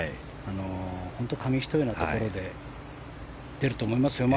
本当、紙一重のところで出ると思いますよ。